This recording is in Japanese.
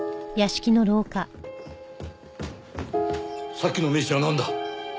さっきの名刺はなんだ？